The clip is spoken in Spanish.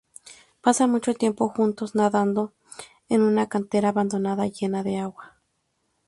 Pasan mucho tiempo juntos, nadando en una cantera abandonada, llena de agua.